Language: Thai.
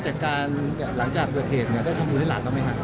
จัดการคืออันเสนอ